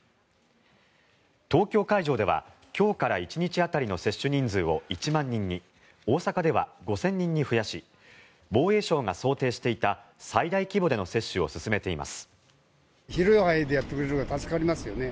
東京会場では今日から１日当たりの接種人数を１万人に大阪では５０００人に増やし防衛省が想定していた最大規模での接種を進めています。